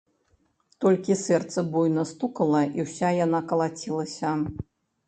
Толькі сэрца буйна стукала, і ўся яна калацілася.